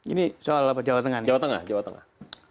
ini soal jawa tengah nih jawa tengah